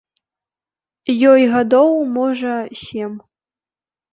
Ёй гадоў, можа, сем.